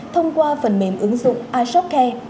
thông qua phần mềm ứng dụng ishopcare